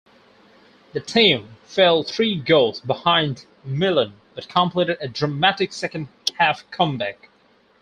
The team fell three goals behind Milan but completed a dramatic second-half comeback.